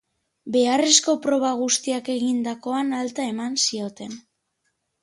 Beharrezko proba guztiak egindakoan, alta eman zioten.